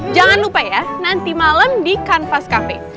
jangan lupa ya nanti malem di canvas cafe